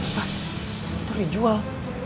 mas itu dijual